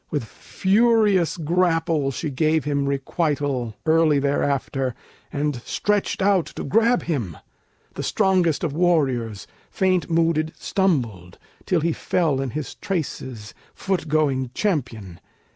With furious grapple She gave him requital early thereafter, And stretched out to grab him; the strongest of warriors Faint mooded stumbled, till he fell in his traces, Foot going champion.